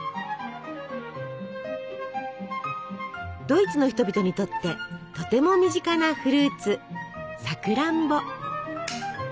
ドイツの人々にとってとても身近なフルーツさくらんぼ。